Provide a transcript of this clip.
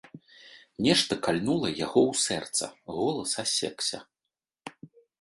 Нешта кальнула яго ў сэрца, голас асекся.